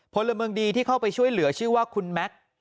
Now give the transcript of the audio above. พลเมืองดีที่เข้าไปช่วยเหลือชื่อว่าคุณแม็กซ์